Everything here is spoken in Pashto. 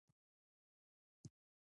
لیکوالان د فکرونو ترجمانان دي.